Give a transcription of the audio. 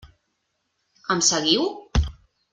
Em seguiu?